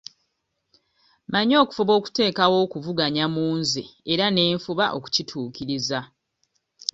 Mmanyi okufuba okuteekawo okuvuganya mu nze era ne nfuba okukituukiriza.